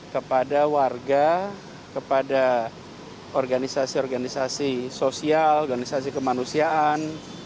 kepada warga kepada organisasi organisasi sosial organisasi kemanusiaan